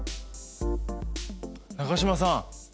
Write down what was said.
中島さん